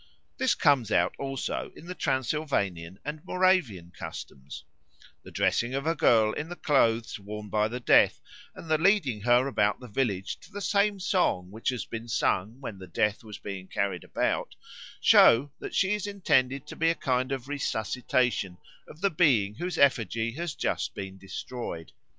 This comes out also in the Transylvanian and Moravian customs: the dressing of a girl in the clothes worn by the Death, and the leading her about the village to the same song which had been sung when the Death was being carried about, show that she is intended to be a kind of resuscitation of the being whose effigy has just been destroyed.